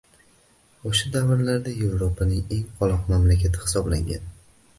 Oʻsha davrlarda Yevropaning eng qoloq mamlakati hisoblangan